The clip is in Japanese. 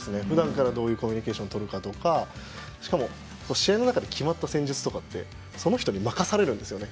ふだんからどういうコミュニケーションをとるかとかしかも試合の中で決まった戦術ってその人に任されるんです。